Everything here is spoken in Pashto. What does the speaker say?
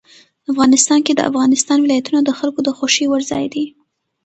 افغانستان کې د افغانستان ولايتونه د خلکو د خوښې وړ ځای دی.